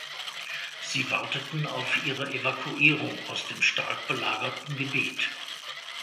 Sie warteten auf ihre Evakuierung aus dem stark belagerten Gebiet.